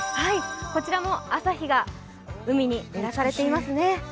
こちらも朝日が海に照らされていますね。